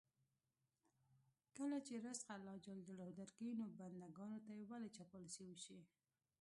کله چې رزق الله ج درکوي، نو بندګانو ته یې ولې چاپلوسي وشي.